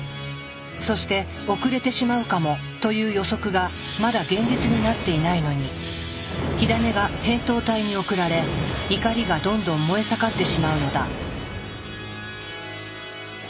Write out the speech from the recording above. そして「遅れてしまうかも」という予測がまだ現実になっていないのに火種が扁桃体に送られ怒りがどんどん燃え盛ってしまうのだ。